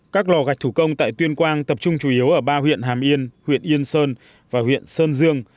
các lò gạch thủ công tại tuyên quang tập trung chủ yếu ở ba huyện hàm yên huyện yên sơn và huyện sơn dương